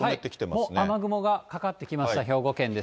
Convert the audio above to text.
もう雨雲がかかってきました、兵庫県です。